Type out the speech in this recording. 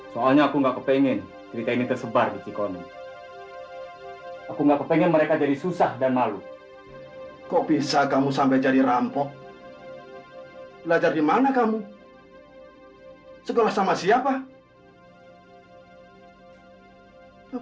sekarang segera laksanakan tugasmu